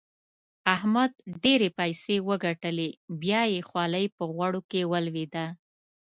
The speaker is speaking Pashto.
احمد ډېرې پيسې وګټلې؛ بيا يې خولۍ په غوړو کې ولوېده.